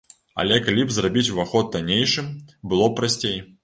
Але калі б зрабіць уваход таннейшым, было б прасцей.